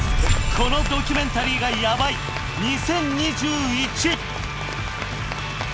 「このドキュメンタリーがヤバい！２０２１」。